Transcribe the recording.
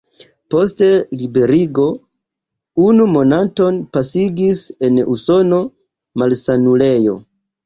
Post liberigo unu monaton pasigis en usona malsanulejo.